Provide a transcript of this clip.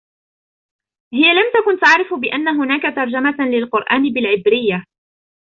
هىَ لم تكن تعرف أن هناك ترجمة للقرآن بالعبرية.